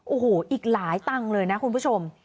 โอ้โหอีกหลายตังค์เลยนะคุณผู้ชม